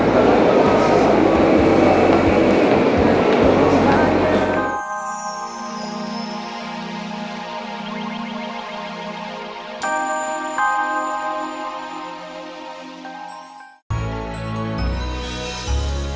tapi sampai hubungan kali ini